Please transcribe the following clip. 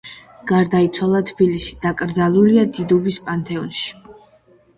გარდაიცვალა თბილისში, დაკრძალულია დიდუბის პანთეონში.